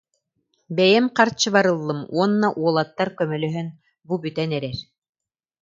Бэйэм харчыбар ыллым уонна уолаттар көмөлөһөн бу бүтэн эрэр